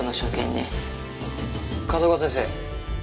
風丘先生